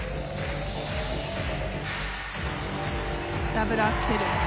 ダブルアクセル。